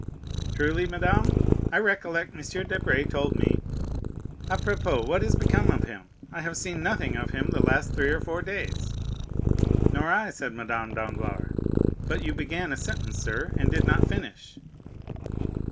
"Truly, madame, I recollect M. Debray told me——apropos, what has become of him? I have seen nothing of him the last three or four days." "Nor I," said Madame Danglars; "but you began a sentence, sir, and did not finish."